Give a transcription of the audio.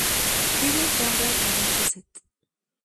Vive en Cambridge, Massachusetts.